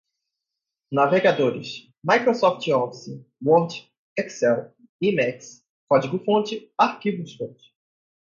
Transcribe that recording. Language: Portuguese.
navegadores, microsoft office, word, excel, emacs, código-fonte, arquivos-fonte